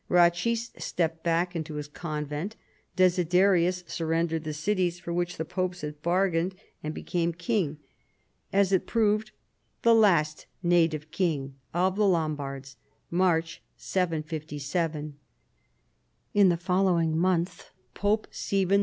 Ratchis stepped back into his convent, Desiderius surrendered the cities for which the pope had bargained, and became King — as it proved the last native king — of the Lombards (March, 757). In the following month Pope Stephen II.